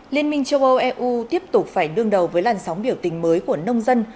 liên minh châu âu eu tiếp tục phải đương đầu với làn sóng biểu tình mới của nông dân